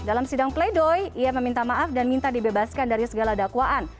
dalam sidang pleidoy ia meminta maaf dan minta dibebaskan dari segala dakwaan